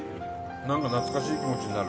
なんか懐かしい気持ちになる。